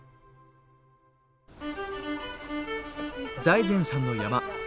財前さんの山。